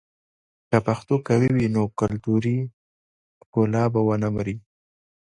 که پښتو قوي وي، نو کلتوري ښکلا به ونه مري.